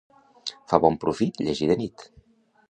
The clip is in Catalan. Fa bon profit llegir de nit.